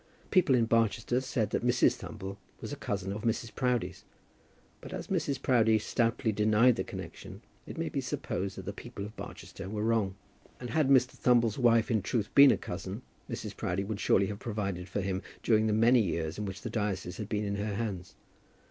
People in Barchester said that Mrs. Thumble was a cousin of Mrs. Proudie's; but as Mrs. Proudie stoutly denied the connection, it may be supposed that the people of Barchester were wrong. And, had Mr. Thumble's wife in truth been a cousin, Mrs. Proudie would surely have provided for him during the many years in which the diocese had been in her hands.